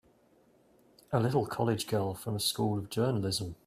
A little college girl from a School of Journalism!